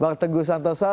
bang teguh santosa